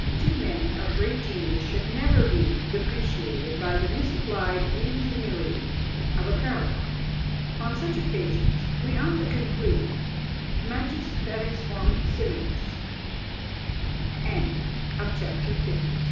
Two men of great genius should never be depreciated by the misapplied ingenuity of a parallel; on such occasions we ought to conclude _magis pares quam simil